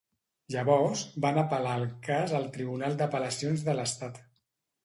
Llavors, van apel·lar el cas al tribunal d'apel·lacions de l'estat.